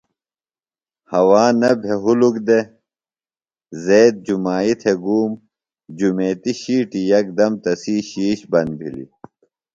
ہوا نہ بھےۡ ہُلُک دےۡ۔ زید جُمائی تھےگُوم۔ جمیتیۡ شیٹیۡ یکدم تسی شِیش بند بِھلیۡ۔